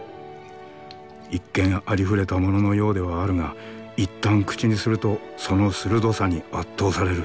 一見ありふれたもののようではあるがいったん口にするとその鋭さに圧倒される。